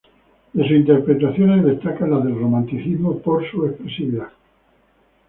De sus interpretaciones destacan las del Romanticismo por su expresividad.